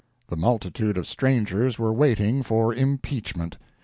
The multitude of strangers were waiting for impeachment.